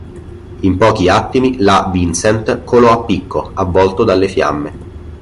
In pochi attimi la "Vincent" colò a picco avvolto dalle fiamme.